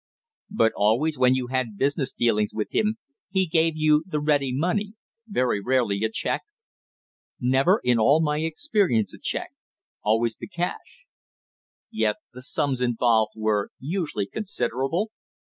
"But always when you had business dealings with him he gave you the ready money, very rarely a check?" "Never in all my experience a check, always the cash." "Yet the sums involved were usually considerable?"